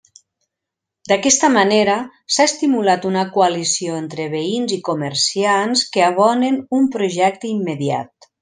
D'aquesta manera, s'ha estimulat una coalició entre veïns i comerciants que abonen un projecte immediat.